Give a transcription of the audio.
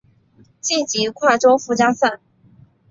晋级跨洲附加赛。